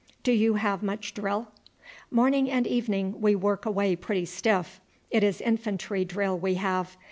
Do you have much drill?" "Morning and evening we work away pretty stiff. It is infantry drill we have.